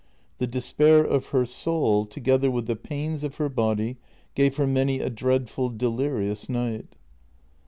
The despair of her soul, together with the pains of her body, gave her many a dreadful, delirious night.